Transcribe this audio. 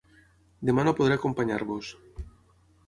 Demà no podré acompanyar-vos.